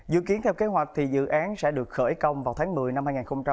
dự kiến theo kế hoạch thì dự án sẽ được khởi công vào tháng một mươi năm hai nghìn hai mươi